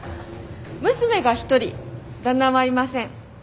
娘が１人旦那はいません。